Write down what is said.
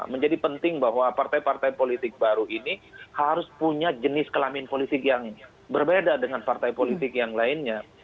menjadi penting bahwa partai partai politik baru ini harus punya jenis kelamin politik yang berbeda dengan partai politik yang lainnya